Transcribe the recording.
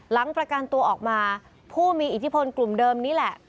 ประกันตัวออกมาผู้มีอิทธิพลกลุ่มเดิมนี่แหละ